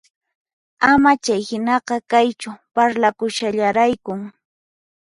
Ama chayhinaqa kaychu, parlakushallaraykun